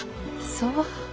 そう。